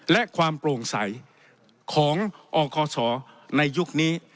และความโปร่งใสของอคศในยุคนี้